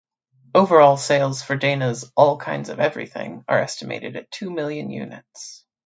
Overall sales for Dana's "All Kinds of Everything" are estimated at two million units.